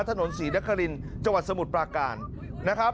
ถนนศรีนครินจังหวัดสมุทรปราการนะครับ